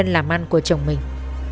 cũng là bản thân làm ăn của chồng mình